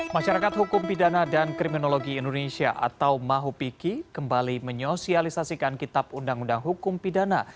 masyarakat hukum pidana dan kriminologi indonesia atau mahupiki kembali menyosialisasikan kitab undang undang hukum pidana